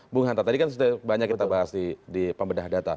bung hanta tadi kan sudah banyak kita bahas di pembedah data